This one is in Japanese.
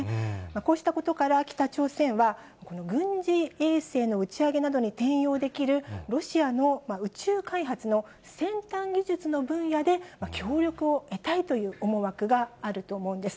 こうしたことから、北朝鮮は軍事衛星の打ち上げなどに転用できるロシアの宇宙開発の先端技術の分野で、協力を得たいという思惑があると思うんです。